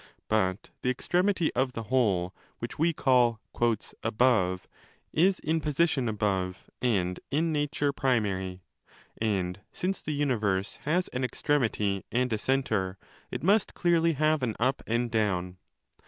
But the extremity of the whole, which we call 'above', is in position above and in nature primary. And since the universe has an extremity and a centre, it must clearly have an up and down.